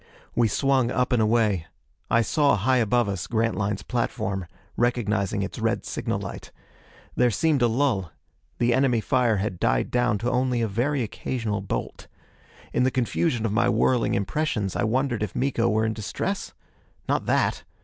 We swung up and away. I saw, high above us, Grantline's platform, recognizing its red signal light. There seemed a lull. The enemy fire had died down to only a very occasional bolt. In the confusion of my whirling impressions I wondered if Miko were in distress? Not that!